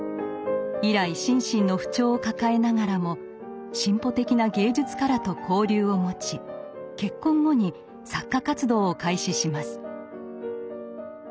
以来心身の不調を抱えながらも進歩的な芸術家らと交流を持ち結婚後に作家活動を開始します。